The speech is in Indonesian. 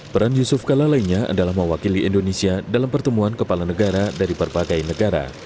peran yusuf kala lainnya adalah mewakili indonesia dalam pertemuan kepala negara dari berbagai negara